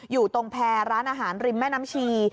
อยู่ตรงแพร่ร้านอาหารริมแม่น้ำชี